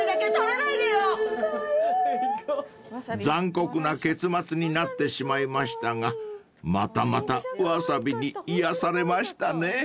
［残酷な結末になってしまいましたがまたまたわさびに癒やされましたね］